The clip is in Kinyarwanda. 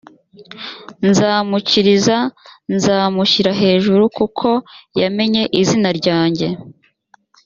nzamukiriza nzamushyira hejuru kuko yamenye izina ryanjye